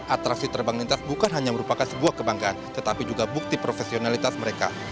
atraksi terbang lintas bukan hanya merupakan sebuah kebanggaan tetapi juga bukti profesionalitas mereka